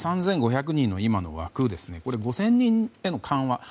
３５００人の今の枠を５０００人への緩和